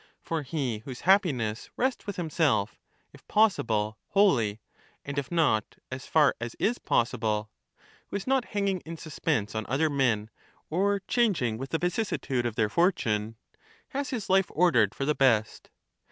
For he whose happiness rests with Socrates. 248 himself, if possible, wholly, and if not, as far as is possible, — who is not hanging in suspense on other men, or changing with the vicissitude of their fortune, — has his life ordered for the best.